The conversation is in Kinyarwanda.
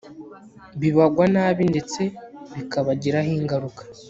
bibagwa nabi ndetse bikabagiraho ingaruka